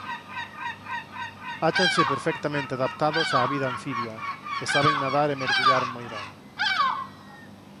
Áchanse perfectamente adaptados á vida anfibia e saben nadar e mergullar moi ben.